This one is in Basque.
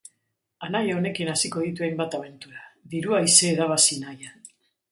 Anaia honekin hasiko ditu hainbat abentura, diru aise irabazi nahian.